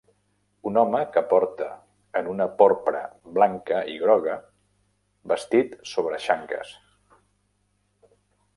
Un home que porta en una porpra blanca i groga vestit sobre xanques